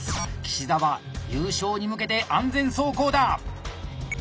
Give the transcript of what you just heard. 岸澤優勝に向けて安全走行だ！